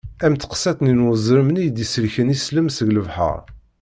Am teqsiṭ n wezrem-nni i d-isellken islem seg lebḥer.